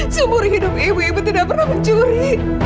seumur hidup ibu ibu tidak pernah mencuri